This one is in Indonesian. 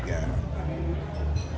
saya smp kelas tiga